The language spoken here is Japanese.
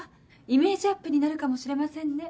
イメージアップになるかもしれませんね。